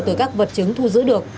từ các vật chứng thu giữ được